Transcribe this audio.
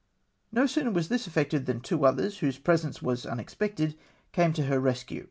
No sooner was this effected, than two others, whose presence was unexpected, came to her rescue.